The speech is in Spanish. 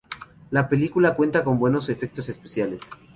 La película cuenta con buenos efectos especiales.